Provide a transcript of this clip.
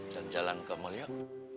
jalan jalan kamu yuk